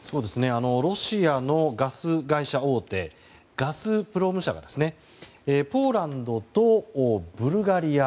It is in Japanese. ロシアのガス会社大手ガスプロム社がポーランドとブルガリア